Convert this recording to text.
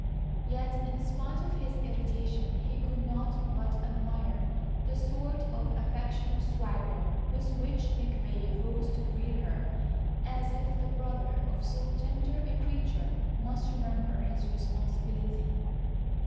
Yet, in spite of his irritation, he could not but admire the sort of affectionate swagger with which McVay rose to greet her, as if the brother of so tender a creature must remember his responsibility.